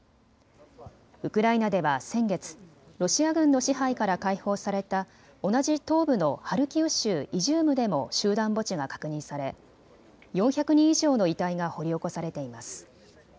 ウクライナでは先月、ロシア軍の支配から解放された同じ東部のハルキウ州イジュームでも集団墓地が確認され４００人以上の遺体が掘り起こされています。